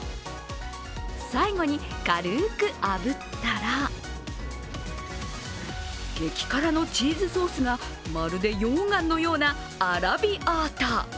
最後に軽くあぶったら激辛のチーズソースがまるで溶岩のようなアラビアータ。